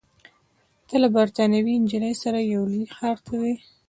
ته له بریتانوۍ نجلۍ سره یو لوی ښار ته ځې.